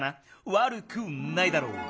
悪くないだろう。